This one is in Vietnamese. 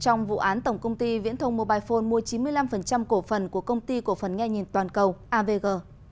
trong vụ án tổng công ty viễn thông mobile phone mua chín mươi năm cổ phần của công ty cổ phần nghe nhìn toàn cầu avg